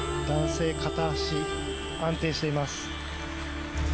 男性片足安定しています。